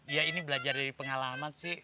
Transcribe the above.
ya ini belajar dari pengalaman sih